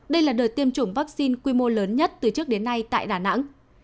đây là đợt tiêm chủng vaccine quy mô lớn nhất từ trước đến nay tại đà nẵng